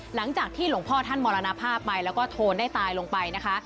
หลังจากที่หลวงพ่อท่านมรณภาพไปแล้วก็โทนได้ตายลงไปนะคะ